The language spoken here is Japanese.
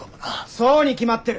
そうに決まってる！